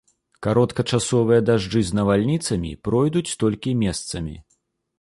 Кароткачасовыя дажджы з навальніцамі пройдуць толькі месцамі.